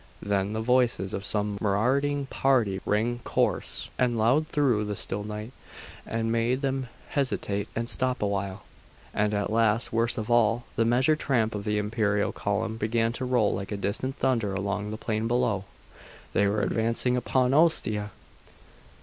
Then the voices of some marauding party rang coarse and loud through the still night, and made them hesitate and stop a while. And at last, worst of all, the measured tramp of an imperial column began to roll like distant thunder along the plain below. They were advancing upon Ostia!